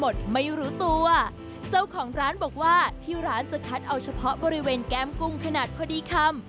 ด้วยเรือนแก้มกุ้งขนาดพอดีค่า